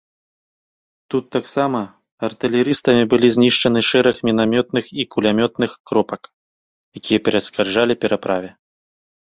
Тут таксама артылерыстамі былі знішчаны шэраг мінамётных і кулямётных кропак, якія перашкаджалі пераправе.